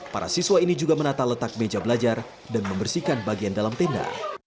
para siswa ini juga menata letak meja belajar dan membersihkan bagian dalam tenda